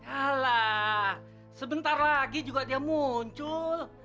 alah sebentar lagi juga dia muncul